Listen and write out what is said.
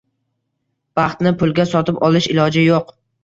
Baxtni pulga sotib olish iloji yo‘q.